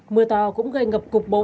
mưa to cũng gây ngập cục bộ